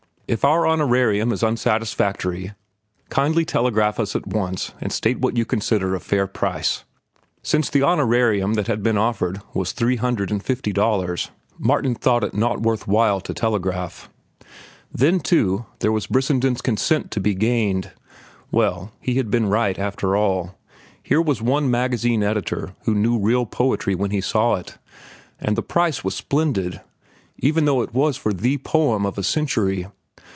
If our honorarium is unsatisfactory, kindly telegraph us at once and state what you consider a fair price." Since the honorarium they had offered was three hundred and fifty dollars, Martin thought it not worth while to telegraph. Then, too, there was Brissenden's consent to be gained. Well, he had been right, after all. Here was one magazine editor who knew real poetry when he saw it. And the price was splendid, even though it was for the poem of a century.